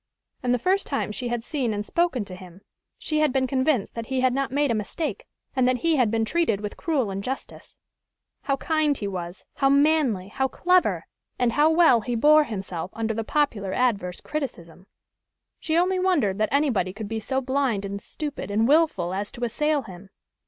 And, the first time she had seen and spoken to him, she had been convinced that she had not made a mistake, and that he had been treated with cruel injustice. How kind he was, how manly, how clever, and how well he bore himself under the popular adverse criticism! She only wondered that anybody could be so blind and stupid and wilful as to assail him.